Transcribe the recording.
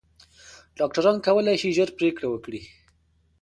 ډاکټران کولی شي ژر پریکړه وکړي.